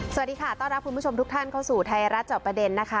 สวัสดีค่ะต้อนรับคุณผู้ชมทุกท่านเข้าสู่ไทยรัฐจอบประเด็นนะคะ